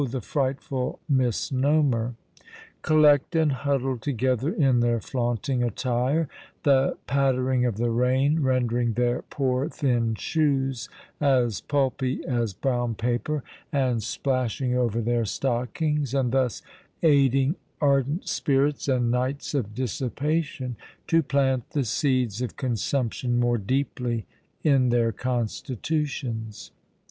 the frightful misnomer!) collect and huddle together in their flaunting attire, the pattering of the rain rendering their poor thin shoes as pulpy as brown paper, and splashing over their stockings—and thus aiding ardent spirits and nights of dissipation to plant the seeds of consumption more deeply in their constitutions.